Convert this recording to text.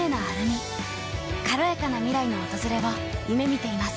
軽やかな未来の訪れを夢みています。